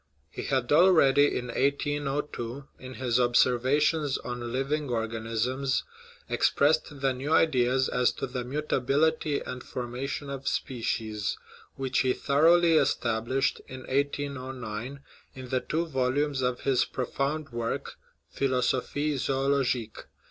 He had already, in 1802, in his Ob servations on Living Organisms, expressed the new ideas as to the mutability and formation of species, which he thoroughly established in 1809 in the two vol umes of his profound work, Philosophic Zoologique.